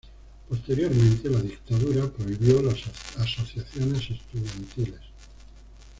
Posteriormente, la dictadura prohibió las asociaciones estudiantiles.